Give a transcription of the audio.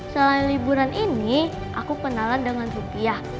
selain liburan ini aku kenalan dengan rupiah